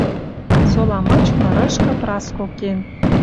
Сола мыч нырышкы Праско кен.